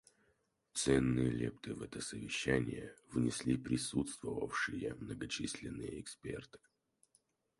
Ценные лепты в это совещание внесли присутствовавшие многочисленные эксперты.